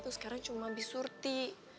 itu sekarang cuma bi surti